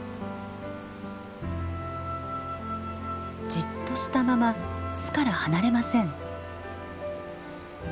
じっとしたまま巣から離れません。